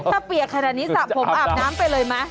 ถ้าเปียกขนาดนี้สระผมอาบน้ำไปเลยไหม